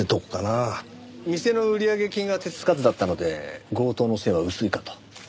店の売上金が手つかずだったので強盗の線は薄いかと。